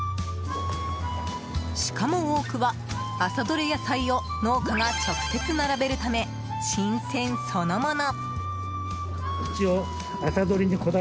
しかも、多くは朝どれ野菜を農家が直接並べるため新鮮そのもの。